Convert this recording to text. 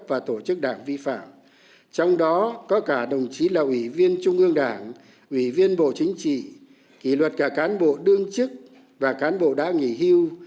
và tổ chức đảng vi phạm trong đó có cả đồng chí là ủy viên trung ương đảng ủy viên bộ chính trị kỷ luật cả cán bộ đương chức và cán bộ đã nghỉ hưu